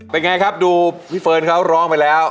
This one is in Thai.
เป็นไงครับดูพี่เฟิร์นเขาร้องไปแล้ว